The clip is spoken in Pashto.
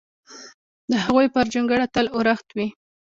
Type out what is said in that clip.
د هغوی پر جونګړه تل اورښت وي!